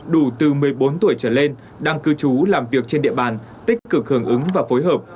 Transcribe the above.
đủ từ một mươi bốn tuổi trở lên đang cư trú làm việc trên địa bàn tích cực hưởng ứng và phối hợp